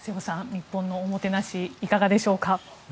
日本のおもてなしいかがでしょうか。